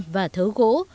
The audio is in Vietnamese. và thớ gỗ